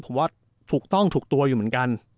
ผมว่าถูกต้องถูกตัวอยู่เหมือนกัน